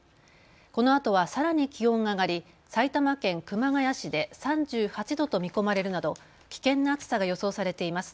このあとはさらに気温が上がり埼玉県熊谷市で３８度と見込まれるなど危険な暑さが予想されています。